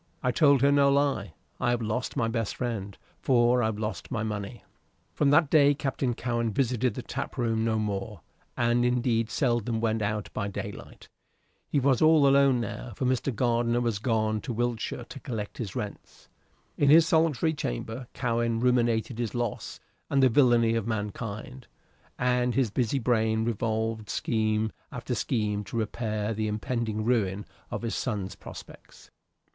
"I told her no lie. I have lost my best friend, for I've lost my money." From that day Captain Cowen visited the tap room no more, and indeed seldom went out by daylight. He was all alone now, for Mr. Gardiner was gone to Wiltshire to collect his rents. In his solitary chamber Cowen ruminated his loss and the villany of mankind, and his busy brain revolved scheme after scheme to repair the impending ruin of his son's prospects.